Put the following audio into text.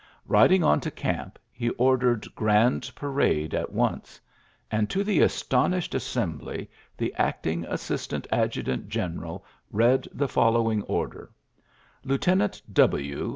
Eiding on to camp, he ordered grand parade at once ; and to the astonished assembly the act ing assistant adjutant general read the foUowing order: '^ Lieutenant "W.